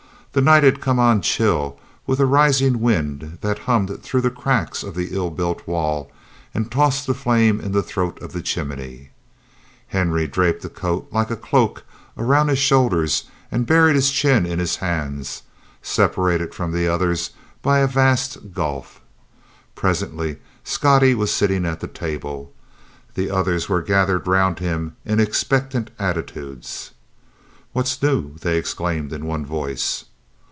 The night had come on chill, with a rising wind that hummed through the cracks of the ill built wall and tossed the flame in the throat of the chimney; Henry draped a coat like a cloak around his shoulders and buried his chin in his hands, separated from the others by a vast gulf. Presently Scottie was sitting at the table. The others were gathered around him in expectant attitudes. "What's new?" they exclaimed in one voice.